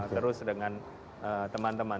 terus dengan teman teman